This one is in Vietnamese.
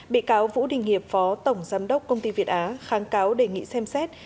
bị cáo vũ đình hiệp phó tổng giám đốc công ty việt á kháng cáo đề nghị xem xét